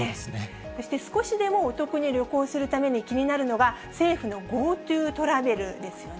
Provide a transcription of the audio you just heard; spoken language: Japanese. そして少しでもお得に旅行するために気になるのが、政府のＧｏＴｏトラベルですよね。